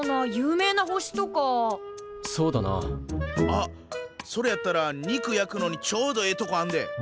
あっそれやったら肉焼くのにちょうどええとこあんで！